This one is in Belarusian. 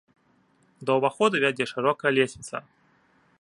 Да ўваходу вядзе шырокая лесвіца.